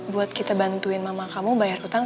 buat kita bantuin mama kamu bayar utang